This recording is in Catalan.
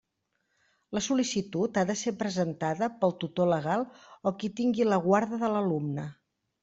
La sol·licitud ha de ser presentada pel tutor legal o qui tingui la guarda de l'alumne.